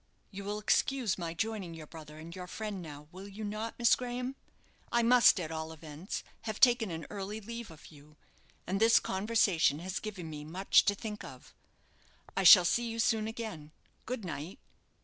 "You will excuse my joining your brother and your friend now, will you not, Miss Graham? I must, at all events, have taken an early leave of you, and this conversation has given me much to think of. I shall see you soon again. Good night!"